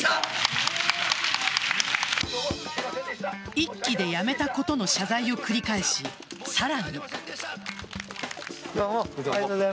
１期で辞めたことの謝罪を繰り返し、さらに。